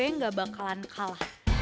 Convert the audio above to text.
nggak bakalan aku kalah